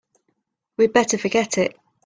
We'd better forget it.